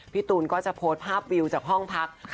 ตูนก็จะโพสต์ภาพวิวจากห้องพัก